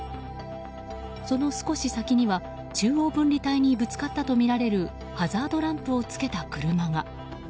その少し先には中央分離帯にぶつかったとみられるハザードランプをつけた車が。